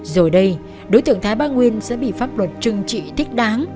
rồi đây đối tượng thái ba nguyên sẽ bị pháp luật trừng trị thích đáng